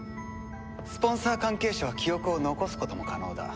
スポンサー関係者は記憶を残すことも可能だ。